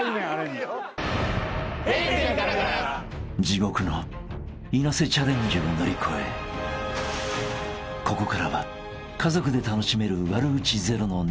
［地獄のいなせチャレンジを乗り越えここからは家族で楽しめる悪口ゼロのネタタイムへ］